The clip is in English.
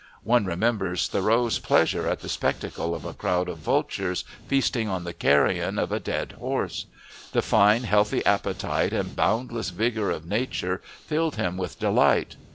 One remembers Thoreau's pleasure at the spectacle of a crowd of vultures feasting on the carrion of a dead horse; the fine healthy appetite and boundless vigour of nature filled him with delight.